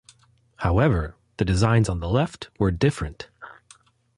However, the designs on the left were different.